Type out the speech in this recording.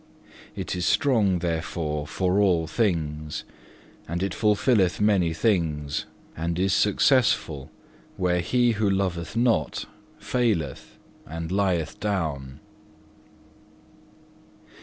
It is strong therefore for all things, and it fulfilleth many things, and is successful where he who loveth not faileth and lieth down.